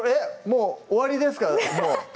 もう終わりですか？